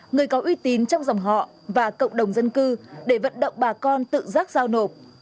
người có uy tín trong dòng họ và cộng đồng dân cư để vận động bà con tự giác giao nộp